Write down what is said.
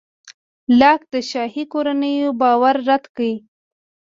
لاک د شاهي کورنیو باور رد کړ.